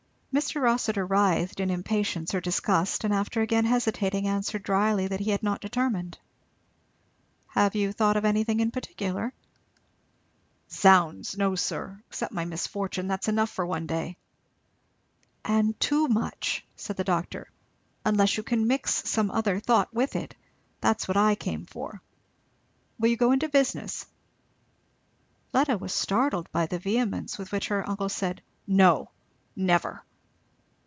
Mr. Rossitur writhed in impatience or disgust, and after again hesitating answered dryly that he had not determined. "Have you thought of anything in particular?" "Zounds! no sir, except my misfortune. That's enough for one day." "And too much," said the old doctor, "unless you can mix some other thought with it. That's what I came for. Will you go into business?" Fleda was startled by the vehemence with which her uncle said, "No, never!"